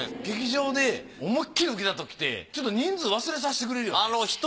劇場で思いっきりウケたときってちょっと人数忘れさせてくれるよね。